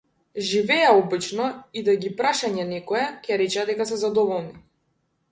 Живееја обично, и да ги прашање некој, ќе речеа дека се задоволни.